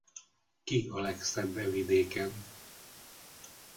Ki a legszebb e vidéken?